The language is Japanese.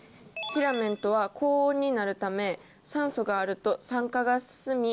フィラメントは高温になるため酸素があると酸化が進み